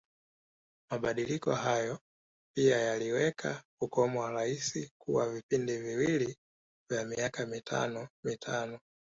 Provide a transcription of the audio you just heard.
Mabadiliko hayo pia yaliweka ukomo wa Rais kuwa vipindi viwili vya miaka mitano mitano